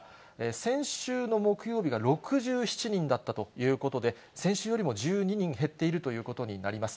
先週の木曜日が６７人だったということで、先週よりも１２人減っているということになります。